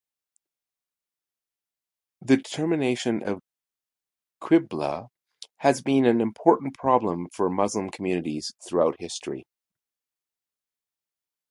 The determination of qibla has been an important problem for Muslim communities throughout history.